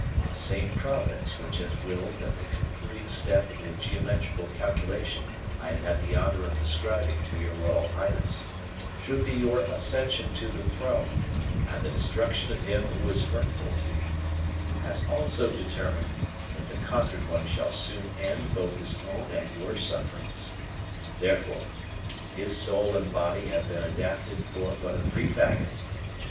The same Providence which has willed that the concluding step in the geometrical calculation I have had the honor of describing to your royal highness should be your ascension to the throne, and the destruction of him who is hurtful to you, has also determined that the conquered one shall soon end both his own and your sufferings. Therefore, his soul and body have been adapted for but a brief agony.